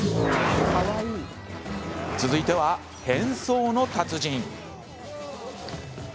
続いては変装の達人。